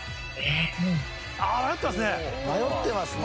迷ってますね。